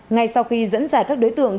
ngay sau khi dẫn dài các đối tượng